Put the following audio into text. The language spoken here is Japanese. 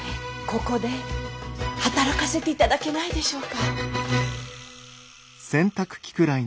ここで働かせていただけないでしょうか。